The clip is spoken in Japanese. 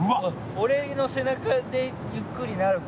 俺の背中でゆっくりなるか？